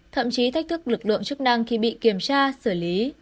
thậm chí thách thức lực lượng chức năng khi bị kiểm tra xử lý